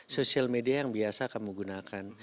sosial media yang biasa kamu gunakan